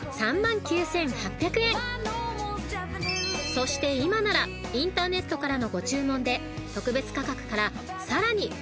［そして今ならインターネットからのご注文で特別価格からさらに５％オフに］